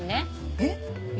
えっ？